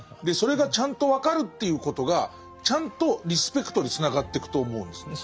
それがちゃんと分かるっていうことがちゃんとリスペクトにつながってくと思うんです。